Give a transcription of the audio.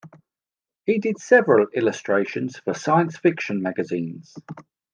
He did several illustrations for science fiction magazines.